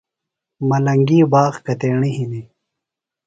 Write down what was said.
ملنگی باغ کتیݨی ہِنی؟